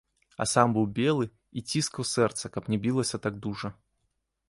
А сам быў белы і ціскаў сэрца, каб не білася так дужа.